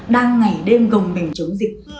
đang ngày đêm gồng mình chống dịch